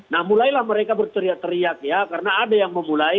nah mulailah mereka berteriak teriak ya karena ada yang memulai